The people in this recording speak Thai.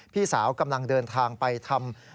พี่สาวกำลังเดินทางไปทำ